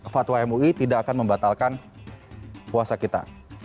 fatwa mui tidak akan membatalkan puasa kita